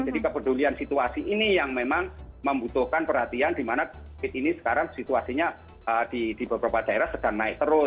jadi kepedulian situasi ini yang memang membutuhkan perhatian di mana ini sekarang situasinya di beberapa daerah sedang naik terus